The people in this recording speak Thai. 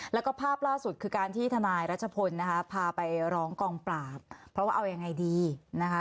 แล้วก็ภาพล่าสุดคือการที่ทนายรัชพลนะคะพาไปร้องกองปราบเพราะว่าเอายังไงดีนะคะ